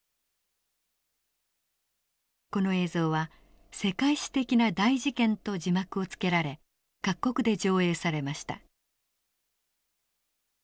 この映像は「世界史的な大事件」と字幕を付けられ各国で上映されました。